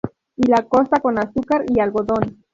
Y la costa con azúcar y algodón.